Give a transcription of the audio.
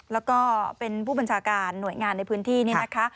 แล้วก็เป็นผู้บัญชาการหน่วยงานในพื้นที่นี่นะคะ